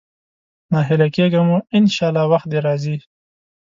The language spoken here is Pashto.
ناهيلی کېږه مه، ان شاءالله وخت دې راځي.